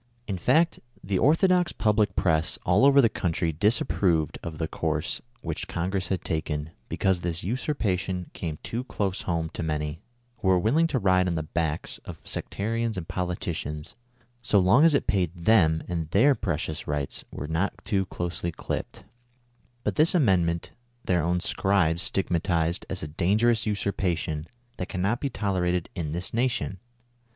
In fact, the orthodox " public press" all over the country disapproved the course which Congress had taken ; because this usurpation came too close home to many, who were willing to ride on the backs of sectarians and politicians, so long as it paid them and their precious rights were not too closely clipped ; but this Amendment their own "Scribes" stigmatized as "a dangerous usurpation, that cannot be tolerated in this nation